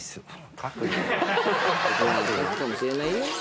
かくかもしれないよ。